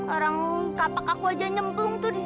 orang kapak aku aja nyempung tuh disitu